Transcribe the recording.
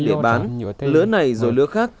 để bán lứa này rồi lứa khác